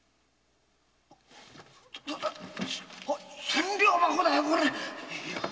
千両箱だよこれ！